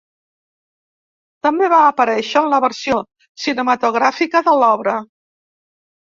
També va aparèixer en la versió cinematogràfica de l'obra.